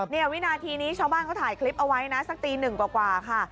วินาทีนี้ชาวบ้านเขาถ่ายคลิปเอาไว้นะสักตีหนึ่งกว่าค่ะ